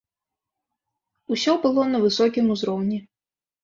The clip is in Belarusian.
Усё было на высокім узроўні.